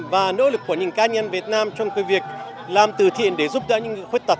và nỗ lực của những cá nhân việt nam trong việc làm từ thiện để giúp đỡ những người khuyết tật